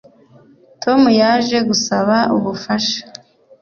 Tom yaje gusaba ubufasha